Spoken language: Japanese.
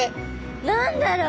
何だろう？